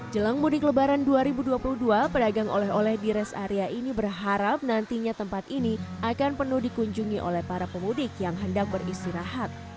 jelang mudik lebaran dua ribu dua puluh dua pedagang oleh oleh di rest area ini berharap nantinya tempat ini akan penuh dikunjungi oleh para pemudik yang hendak beristirahat